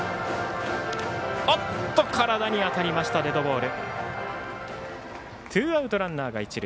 体に当たりましたデッドボール。